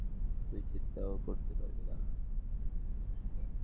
তুই চিন্তা ও করতে পারবি না।